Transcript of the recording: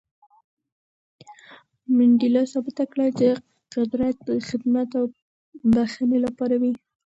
منډېلا ثابته کړه چې قدرت د خدمت او بښنې لپاره وي.